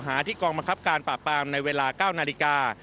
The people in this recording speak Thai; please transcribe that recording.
ที่กองบังคับการปราบปรามในเวลา๙นาฬิกา